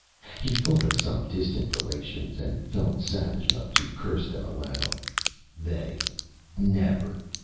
He thought of some distant relations, and felt savage enough to curse them aloud. They! Never!